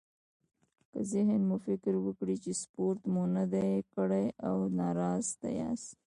که ذهن مو فکر وکړي چې سپورت مو نه دی کړی او ناراسته ياست.